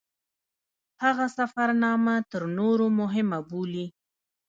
هغه سفرنامه تر نورو مهمه بولي.